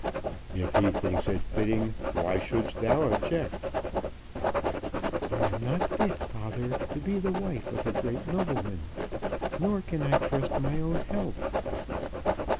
"If he thinks it fitting, why shouldst thou object?" "I am not fit, father, to be the wife of a great nobleman. Nor can I trust my own health."